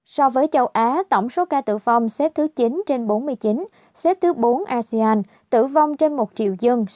so với châu á tổng số ca tử vong xếp thứ chín trên bốn mươi chín xếp thứ bốn asean tử vong trên một triệu dân